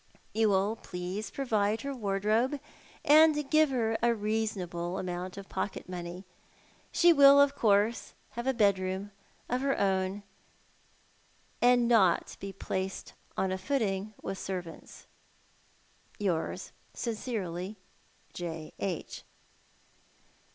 "You will please provide her wardrobe, and give her a reasonable amount of pocket money. She will, of course, have a bedroom of her own, and not be placed on a footing with servants. " Yours sincerely, "J. H."